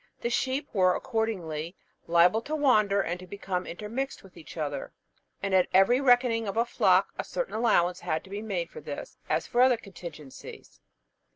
The sheep were, accordingly, liable to wander, and to become intermixed with each other; and at every reckoning of a flock a certain allowance had to be made for this, as for other contingencies.